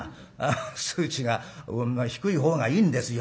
数値が低いほうがいいんですよ